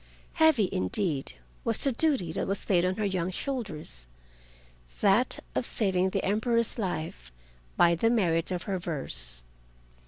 Heavy, indeed, was the duty that was laid on her young shoulders—that of saving the Emperor's life by the merit of her verse.